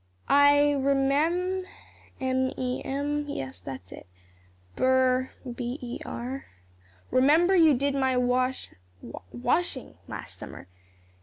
"'I re mem, m e m,' yes, that's it, 'ber, b e r remember you did my wash washing last summer.